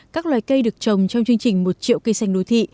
các loài cây được trồng trong chương trình một triệu cây xanh đối thị